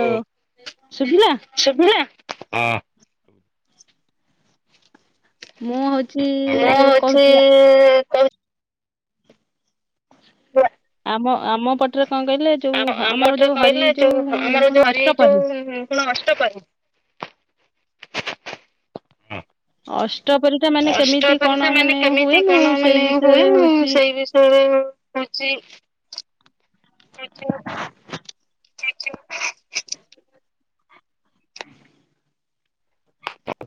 ଓ। ଶୁବିଲା? ହଁ। ମୁଁ ହଉଛି କହୁ [unintelligible] ଆମ ଆମ ପଟରେ କଣ କହିଲେ ଯୋଉ ଆମର ଯୋଉ ହରି ଯୋଉ କଣ ଅଷ୍ଟପରୀ। ଅଷ୍ଟପହରୀ। ଅ ଅଷ୍ଟପ୍ରହରୀଟା ମାନେ କେମିତି କଣ ମାନେ ହୁଏ ମୁଁ ସେଇ ବିଷୟରେ ହଉଛିି। ସେଠି? [unintelligible]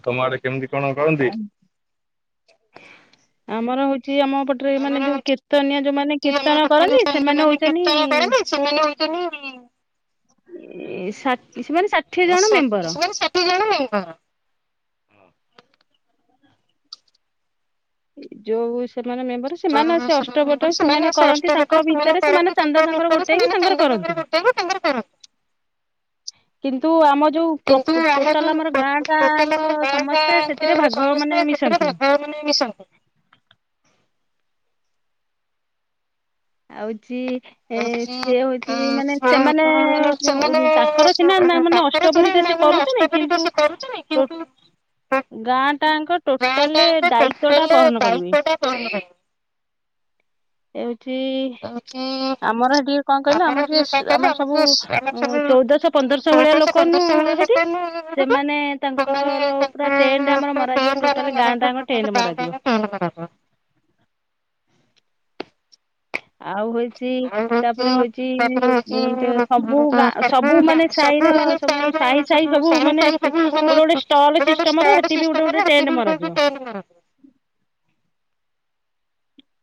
ତମ ଆଡେ କେମିତି କଣ କରନ୍ତି? ଆମର ହଉଛି ଆମ ପଟରେ ମାନେ ଯୋଉ କୀର୍ତ୍ତନଆ ଯୋଉମାନେ କୀର୍ତ୍ତନ କରନ୍ତି ସେମାନେ ହଉଛନ୍ତି। [unintelligible] ସେମାନେ ଷାଠିଏ ଜଣ ମେମ୍ବର। ହଁ। ଯୋଉ ସେମାନେ ମେମ୍ବର ସେମାନେ ସେ ଅଷ୍ଟପ୍ରହରି ସେମାନେ କରନ୍ତି ତାଙ୍କ ଭିତରେ ସେମାନେ ଚାନ୍ଦା ତାଙ୍କର ଗୋଟେକି ତାଙ୍କର କରନ୍ତି। [unintelligible] [inaudible] କିନ୍ତୁ ଆମ ଯୋଉ ଟୋଟାଲ ଆମର ଗାଁ ଗାଙ୍କ ସମସ୍ତେ ସେଥିରେ ଭାଗ ମାନେ ମିଶନ୍ତି। ମାନେ ମିଶନ୍ତି। ହଉଛି। ଏ ସିଏ ହଉଛି ମାନେ ସେମାନେ ତାଙ୍କର ଚିହ୍ନା ମାନେ ଅଷ୍ଟପ୍ରହରୀ ଟା ସେ କରୁଛନ୍ତି କିନ୍ତୁ ଗାଁ ଟାଙ୍କ ଟୋଟାଲେ ଦାୟିତ୍ଵ ଟା ବହନ କରିବେ। [unintelligible] ଆମର ହେଟି ଟିକେ କଣ କହିଲ ଆମର ଟିକେ ଆମର ସବୁ ଚଉଦଶହ ପନ୍ଦରଶ ଭଳିଆ ଲୋକ ନୁ ହେଠି ସେମାନେ ତାଙ୍କର ପୁରା ଟେନଡ୍ ଆମର ମରାଯିବ ଟୋଟାଲି ଗାଁ ଟା ଆକ୍ ଟେଣ୍ଡ ମରାଜୀବ। [unintelligible] ଆଉ ହଉଛି ତାପରେ ହଉଛି ସବୁ ସବୁ ମାନେ ସାହିର ସବୁ ସାହି ସାହି ସବୁ ମାନେ ଗୋଟେ ଗୋଟେ ଷ୍ଟଲ ସିଷ୍ଟମର ସେଠି ବି ଗୋଟେ ଗୋଟେ ଟେଣ୍ଟ ମରାଯିବା। [unintelligible]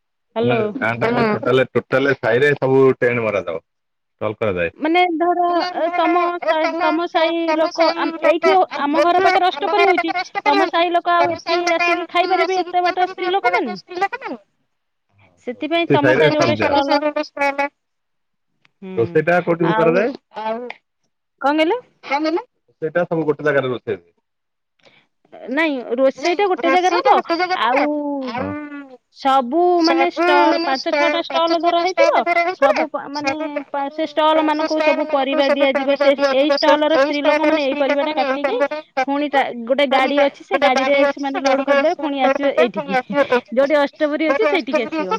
ଟା। [unintelligible] [unintelligible] [unintelligible] [unintelligible] [unintelligible] ନାଇଁ ରୋଷେଇ ଟା ଗୋଟେ ଜାଗାରେ ହବ ଆଉ ସବୁ ସବୁ ମନେ ଷ୍ଟ ପାଞ୍ଚ ଛଅ ଟା ଷ୍ଟଲ୍ ଧର ହେଇଥିବ ସବୁ ପା ମନେ ପା ସେଇ ଷ୍ଟଲ୍ ମାନ ସବୁ ପରିବା ଦିଆଯିବ ସେ ଏଇ ଷ୍ଟଲ ର ସ୍ତ୍ରୀ ଲୋକ ମାନେ ଏଇ ପରିବା ଟା କାଟିକି ପୁଣି ଗୋଟେ ଗାଡି ଅଛି ସେ ଗାଡି ରେ ସେମାନେ ଲୋଡ୍ କରିଦେବେ ପୁଣି ଆସିବେ ଏଇଠିକି ଯୋଉଠି ଅଷ୍ଟବ ସେଠୀ ସେଇଠିକି ଆସିବ।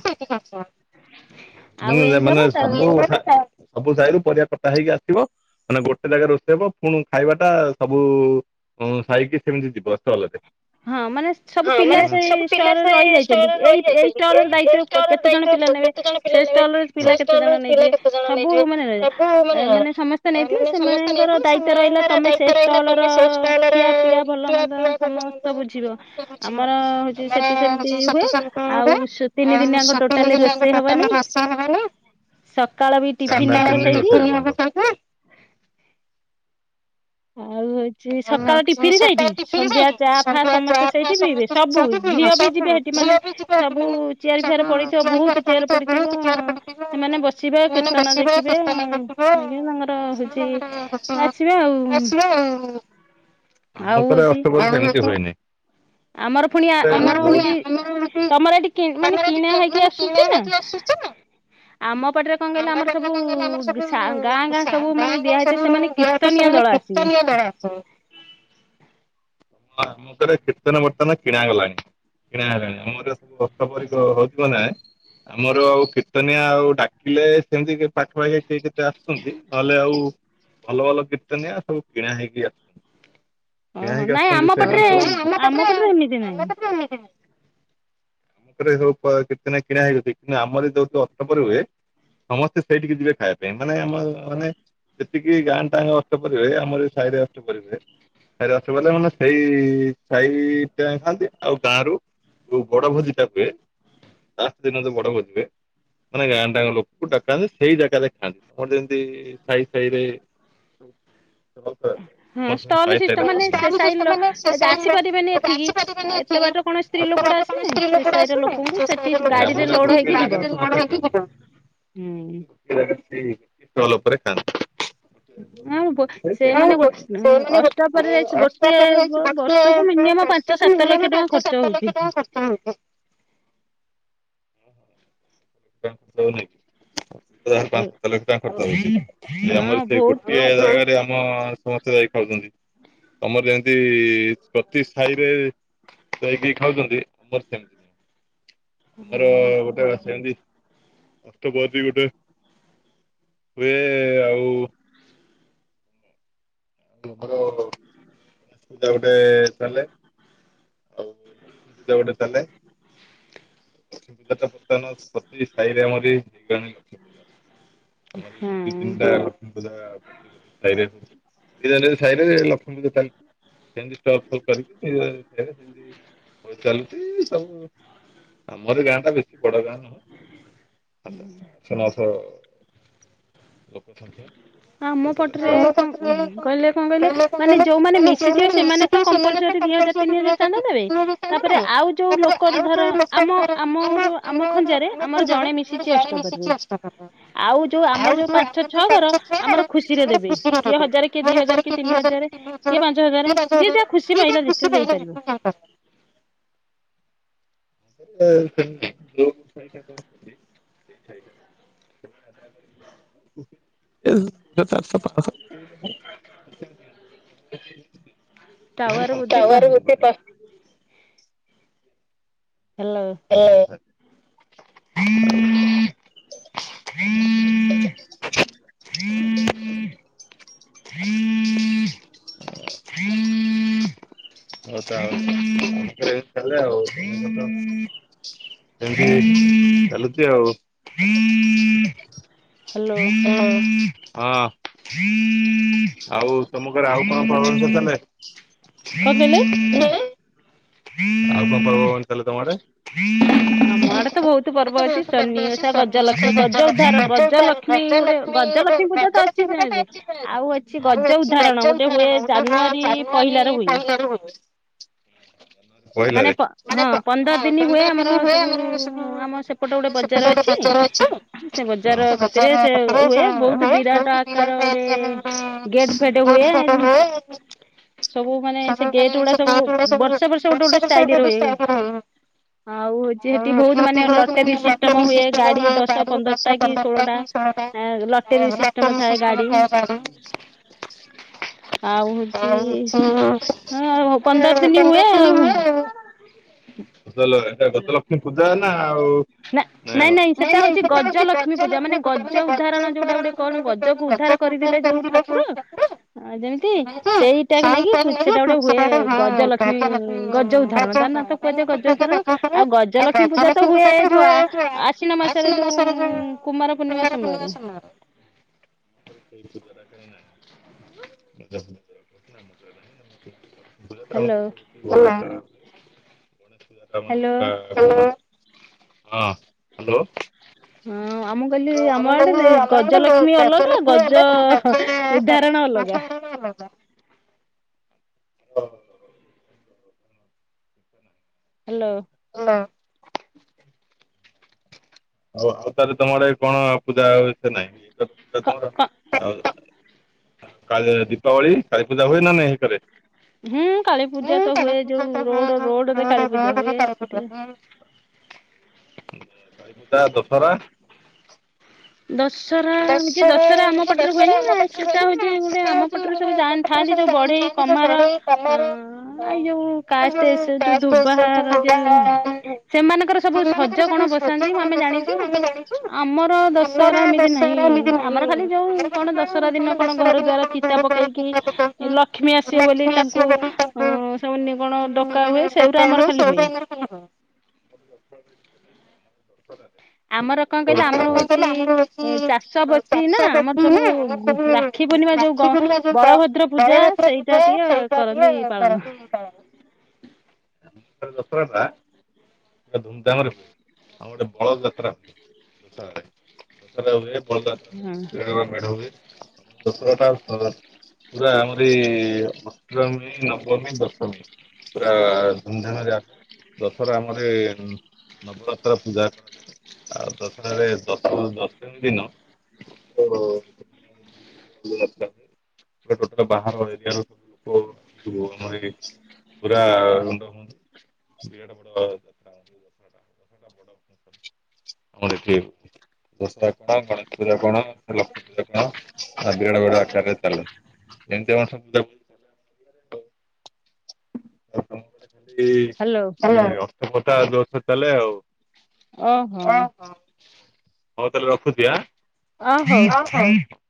ମାନେ ମାନେ ସବୁ ସବୁ ସାଇୁ ପରିବା ପ ହେଇକି ଆସିବ ମାନେ ଗୋଟେ ଜାଗା ରୋଷେଇ ହେବ ପୁଣି ଖାଇବାଟା ସବୁ ହଁ ସାଇକି ସେମିତି ଯିବ ଷ୍ଟଲ୍ ରେ। ହଁ ମାନେ ସବୁ ପିଲା ସେଇ ଷ୍ଟଲ୍ ରେ ରହି ଯାଇଛନ୍ତି ଏଇ ଏଇ ଷ୍ଟଲ ଦାୟିତ୍ଵ କେତେ ଜଣ ପିଲା ନେବେ ସେ ଷ୍ଟଲ ର ପିଲା କେତେ ଜଣ ନେଇଯିବେ ସବୁ ମାନେ ରା ଏମାନେ ସମସ୍ତେ ନେଇଥିବେ ସେମାନଙ୍କର ଦାୟିତ ରହିଲା ତମେ ସେ ଷ୍ଟଲ ର ଖିଆ ପିଆ ଭଲ ମନ୍ଦ ସମ ଆଉ ତିନି ଦିନିଆଙ୍କ ଟୋଟାଲି ରୋଷେଇ ହବାନାଇ। ସକାଳ ବି ଟିଫନ୍ ହବ ସେଇଠି। ଆଉ। ସକାଳ ଟିଫିିନ ସେଇଠି ସନ୍ଧ୍ୟା ଚା ଫା ସମସ୍ତେ ସେଇଠି ପିଇବେ ସବୁ ଝିଅ ବି ଯିବେ ସେଠି। ମାନେ ସବୁ ଚିଆର ଫିଆର ପଡିଥିବ ବହୁତ ଚିୟାର ପଡିଥିବ ସେମାନେ ବସିବ କୀର୍ତ୍ତନ ଦେଖିବେ ଦେଖିବେ ତାଙ୍କର ହଉଛି ଆସିବେ ଆଉ। ଆସିବେ ଆଉ। ଆମ କର ଅଷ୍ଟପ୍ରହରୀ ସେମିତି ହୁଏନି। [unintelligible] ହଁ ଆମେର ଏଠି ମାନେ କିଣା ହେଇକି ଆସୁଛି ନା? ଆମ ପାଟରେ କଣ କହଲେ ଆମର ସବୁ ଗାଁ ଗାଁ ସବୁ ମାନେ ଦି ସ କେର୍ତନୀୟ ନାହାନ୍ତି। ହଁ ଆମ ଘର କୀର୍ତ୍ତନ ବର୍ତ୍ତନ କିଣ ଗଲାଣି କିଣା ହେଲାଣି ଆମର। [unintelligible] ଆମର ଆଉ କୀର୍ତନିଆ ଆଉ ଡାକିଲେ ସେମିତି ପାଖାପାଖି କେ ଆସୁଛନ୍ତି ନହେଲେ ଆଉ ଭଲ ଭଲ ଗୀର୍ତନିଆ ସବୁ କିଣା ହେଇକି ଆସୁଛନ୍ତି। ଓହୋ ନାଇଁ ଆମ ପଟ୍ରେ ଆମ ପଟରେ ଏମିତି ନୁହଁ। ଆମର ସବୁ କୀର୍ତ୍ନା କିଣା ହେଇଯାଉଛି କିନ୍ତୁ ଆମର ଯୋଉ ଅର୍ପରି ହୁଏ ସମସ୍ତେ ସେଇଠିକି ଯିବେ ଖାଇବା ପାଇଁ ମାନେ ଆମ ମାନେ ଯେତିକି ଗାଁ ଟାଙ୍କ ଅଷ୍ଟ ପରି ହୁଏ ଆମର ସାହିରେ ଅଷ୍ଟ ପରି ହୁଏ ସାଇରେ ଅଷ୍ଟ ମାନେ ସେଇ ସାଇ ଟା ଖାଆନ୍ତି ଆଉ ଗାଁ ର ଯୋଉ ବଡ ଭୋଜି ଟା ହୁଏ। ଲାଷ୍ଟ ଦିନ ତ ବଡ ଭୋଜି ହୁଏ। ମାନେ ଗାଁ ଟାଙ୍କ ଲୋକକୁ ଡକା ଯାଇ ସେଇ ଜାଗା ଦେଖାନ୍ତି ତମର ଯେମିତି ସହି ସାହି ରେ। [unintelligible] ସୋନେ ସେ ସାଇରୁ ଆସିପାରିବେନି ଏଠିକି ଏତେ ବାଟ କଣ ସ୍ତ୍ରୀ ଲୋକଟେ ଆସିବ? [unintelligible] ଲ ଉପରେ ଖାନ୍ତ [unintelligible] ବର୍ଷକୁ ମିନି ପାଞ୍ଚ ସାତ ଲକ୍ଷ ଟଙ୍କା ଖର୍ଚ୍ଚ ହୋଇଥାଏ। [unintelligible] ପାଞ୍ଚ ସାତ ଲକ୍ଷ ଟଙ୍କା ଖର୍ଚ୍ଚ ହଉଛି ଆମର ସେ ଗୋଟଏ ଜାଗାରେ ଆମ ସମସ୍ତେ ଯାଇ ଖାଉ। ତମର ଯେମିତି ପ୍ରତି ସାହିରେ ଯକି ଖାଉଛନ୍ତି ଆମର ସେମିତି ନହଁ ଆମର ଗୋଟେ ସେମତି ଅତ ବାଦ ଗୋଟେ ହୁଏ ଆଉ। ଆଉ ଆମର ଗଣେଶ ପୂଜା ଗୋଟେ ଚାଲେ ଆଉ ଲକ୍ଷ୍ମୀ ପୂଜା ଗୋଟେ ଚାଲେ । ପୂଜା ଟା ବର୍ତ୍ତମାନ ସତ ସାହିରେ ଆମରି- ଲକ୍ଷ ପୂଜା ଆମ ଦୁଇ ତିନଟା ଲକ୍ଷ୍ମୀ ପୂଜା ପ୍ରତ୍ୟ ପ୍ରତି ଶାଇରେ ନିଜ ନିଜେ ସାଇଲେ ଲକ୍ଷ୍ମୀ ପୂଜା ଚାଲିକି ସେମିତି କରିକି ନି ସେମତି ବ ଚାଲଛି ସବୁ ଆମର ଗାଁ ଟା ବେଶୀ ବଡ ଗାଁ ନୁହେଁ ଛ ସୁନାଉଥ ଲୋକ ସଂଖ୍ୟା ଆମ ପଟରେ କଣ କହିଲେ ଣ କହିଲେ ମାନେ ଯୋଉମାନେ ମିଶିଥିବେ ସେମାନେ ତ କମ୍ପଲରି ଦି ହଜାର ତିନି ହଜାର ଚାନ୍ଦ ଦେବେ ତାପରେ ଆଉ ଯୋଉ ଲୋକ ଧର ଆମ ଆମର ଆମ ଖଞ୍ଜାରେ ଆମର ଜଣେ ମିଶିଛି ଅଷ୍ଟପଦରେ ହ ହଁ। ଆଉ ଯୋଉ ଆମର ଯୋଉ ପାଞ୍ଚ ଛଅ ଘର ଆମର ଖୁସିରେ ଦେବେ। କିଏ ହଜାରେ କି ଦି ହଜାର କି ତିନି ହଜାର କି ପାଞ୍ଚ ହଜାର ଯିଏ ଯାହା ଖୁସି ପାଇଲା ଯେତେ ଦେଇପାରିବ ଯୋଟା କ ସୋଇ ହ। [unintelligible] ଟୱାର୍ ବଧେ ପା ହ ହ। ହୁଁ। ହ ତାଉଲେ ଆଉ। ଏମତି ଚାଲ ଆଉ। ହୁଁ। ହଁ ଆଉ ତମ କରେ ଆଉ କଣ କ ସେ ତମେ? ଆଉ କଣ ପର୍ବପର୍ବାଣୀ ଚାଲେ ତମଆଡେ? ଆମ ଆଡେ ତ ବହୁତ ପର୍ବ ଅଛି, ଶନି ଓଷା ଗଜଲକ୍ଷ୍ମୀ ଗଜ ଉଦ୍ଧାର ଗଜ ଲକ୍ଷ୍ମୀ ଲକ୍ଷ୍ମୀ ଗୋଟେ ଗଜଲକ୍ଷ୍ମୀ ପୂଜା ତ ଅଛି ଆଉ ଅଛି ଗଜ ଉଦାହରଣ ଗୋଟେ ହୁଏ ଜାନୁଆରୀ। ଜାନୁଆାରୀ ପହିଲ ରହୁ ମାନେ ହଁ ପନ୍ଦର ଦିନ ହୁଏ ଆମର ସବୁ ଆମ ସେପଟ ଗୋଟେ ବଜାର ଅଛି ସେ ବଜାର ସେଥିରେ ସେ ହୁଏ ବହୁତ ବିରାଟ ଆକାର ଗୋଟେ ଗେଟ ଫେଟ ହୁଏ ଆ ସବୁ ମାନେ ସେ ଗେଟ ଗୁଡା ସବୁ ବର୍ଷେ ବର୍ଷେ ଗୋଟେ ଗୋଟୋଇ ର ଆଉ ହଉଛି ହେଟି ବହୁତ ମାନେ ଲଟେର ସିଷ୍ଟମ ହୁଏ ଗାଡି ଦଶ ପନ୍ଦରଟା କି ସୋ ଲଟେରୀ ସିଷ୍ଟମ ଥାଏ ଗାଡି ହ। ଆଉ ହଉଛି ହ ପନ୍ଦର ଦିନ ହୁଏ ଆଉ। ହୁଁ। ଏଟା ଗଜଲକ୍ଷ୍ମୀ ପୂଜା ନା ଆଉ ନାଇଁ ନାଇଁ ସେଟା ହଉଛି ଗଜଲକ୍ଷ୍ମୀ ପୂଜା ମାନେ ଗଜ ଉଦାରଣ ଯୋଉଟା ଗୋଟେ କଣ ଗଜକୁ ଉଦ୍ଧାର କରିଦେଲେ ଯୋଉ ଠାକୁର। ଆଁ ଯେମିତି ସେଇଟାକୁ ନେଇକି ସେଟା ଗୋଟେ, ହୁଏ ଗଜ ଲକ୍ଷ୍ମୀ ଗଜ ଉଦାହରଣ ତା ମାସ କୁହାଯାଏ ଗଜର ଆଉ ଗଜ ଗଜଲକ୍ଷ୍ମୀ ପୂଜା ତ ହୁଏ ଏ ଯୋଉ ଆ ଆଶିନ ମାସରେ ଯୋଉ କୁମାର ପୂର୍ଣ୍ଣିମା ସମୟରେ। ହଁ ବ ସେଇ [unintelligible] ଉଚ୍ଚତା କାଇଁ ନାଇ [unintelligible] ମୋ କହିବା କଥା ହେଲା ମୁଁ ତ୍ ନିଜେ ଡ ଗୁଜାତା ମତେ ଧରିକି। [unintelligible] ହଁ ହ୍ୟାଲୋ ଆମେ କହିଲୁ ଆମର ଗୋଟେ ଗଜଲଷ୍ମୀ ହେଲେ ନା ଗଛ ଚାଲ ବା ଓ ହୋ ହ। ହ୍ୟାଲୋ। ନା। ଆଉ ଆଉ ତାର ତମର କଣ ପୂଜା ଏତେ ନାହିଁ। [unintelligible] କାଲି ଦୀପାବଳି କାଳୀ ପୂଜା ହଏ ନା ନାଇଁ ହେ କରେ? ହୁଁ କାଳୀ ପୂଜା ତ ହୁଏ ଯୋଉ ରୋଡ ରୋଡରେ କାଳୀ ପୂଜା ହୁଏ ସେ କାଳୀ ପୂଜା ଦଶରା? ଦଶର ହଉଛି ବଶର ଆମ ପାଖରୁ ହୁଏନି ନା ଶୀତ ହଉଛି ଗୋଟେ ଆମ ପାଖରୁ ସ [unintelligible] [unintelligible] ସେମାନଙ୍କର ସବୁ ସଜ କଣ ବସାନ୍ତି ଆମେ ଜାଣିଛୁ ଆମର ଆମର ଖାଲି ଯୋଉ କଣ ଦଶହରା ଦିନ କଣ ଘର ଦ୍ଵାର ଚିତା ପକେଇକି ଲକ୍ଷ୍ମୀ ଆସିବେ ବୋଲି ତାଙ୍କୁ ଅ ସେମ କଣ ଡକା ହୁଏ ସେଇଗୁରା ଆମର ଖାଲି ହୁଏ। [unintelligible] ଆମର କଁ କହିଲ ଆମର ହଉଛି ଚାଷ ପ୍ରତି ନା ଆମ ରାକ୍ଷୀ ପୁର୍ଣିମା ଯେ ବଳଭତ୍ର ପୂଜା ସେଇ ଜ ଟ କରନ୍ତି ଧୁମଧାମରେ ହୁଏ। ବଳଦ ଯାତ୍ରା। ହଁ। ମେଢ଼ ହୁଏ। [unintelligible] ପୁରା ଆମରି ଅଷ୍ଟମୀ ନବମୀ ଦଶମୀ। ପୁରା ଧୁମଧାମେରେ ଦଶରା ଆମର ନବରାତ୍ର ପୂଜା କରାଯାଏ। ଆଉ ତଥରେ ଦଶ ଦଶମ ଦିନ ବାହାର ଏ ପୁରା [unintelligible] ଦଶହରା କଣ ଗଣେଶ ପୂଜା କଣ ଲକ୍ଷ୍ମୀ ପୂଜା କଣ ଆ ବିରାଟ ବଡ଼ ଆକାରରେ ଚାଲେ। ଏମତି ଖାଲି ଅଷ୍ଟଟା ଦଶ ଚାଲେ ଆଉ ଓ ହୋ। ହଉ ତାହେଲେ ରଖୁଛି ଆ।